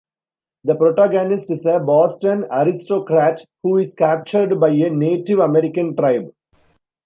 The protagonist is a Boston aristocrat who is captured by a Native American tribe.